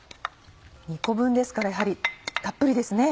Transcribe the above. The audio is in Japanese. ２個分ですからやはりたっぷりですね。